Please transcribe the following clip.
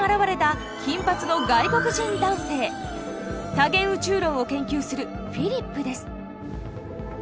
多元宇宙論を研究するフィリップです。